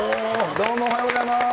どうも、おはようございます。